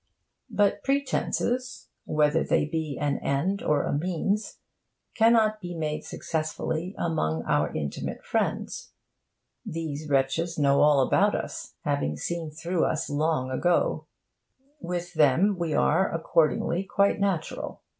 But pretences, whether they be an end or a means, cannot be made successfully among our intimate friends. These wretches know all about us have seen through us long ago. With them we are, accordingly, quite natural.